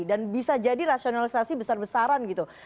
dan bisa jadi rasionalisasi besar besaran gitu